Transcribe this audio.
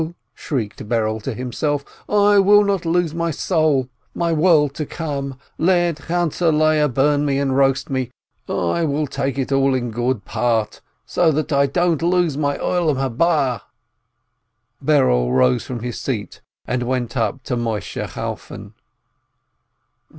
shrieked Berel to himself, "I will not lose my soul, my world to come! Let Chantzeh Leah burn me and roast me, I will take it all in good part, so that I don't lose my world to come !" Berel rose from his seat, and went up to Moisheh Chalfon.